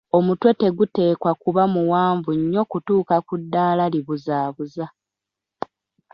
Omutwe teguteekwa kuba muwanvu nnyo kutuuka ku ddaala libuzaabuza.